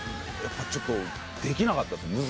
ちょっとできなかったです。